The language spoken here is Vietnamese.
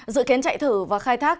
dự kiến chạy thử và khai thác